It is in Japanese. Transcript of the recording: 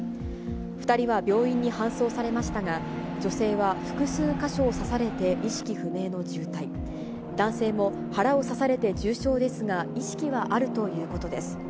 ２人は病院に搬送されましたが、女性は複数箇所を刺されて意識不明の重体、男性も腹を刺されて重傷ですが、意識はあるということです。